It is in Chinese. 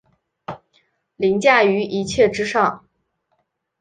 凌驾於一切之上